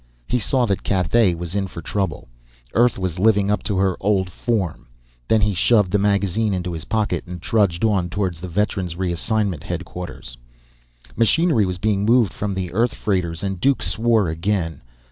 He saw that Cathay was in for trouble. Earth was living up to her old form! Then he shoved the magazine into his pocket and trudged on toward the veteran's reassignment headquarters. Machinery was being moved from the Earth freighters, and Duke swore again.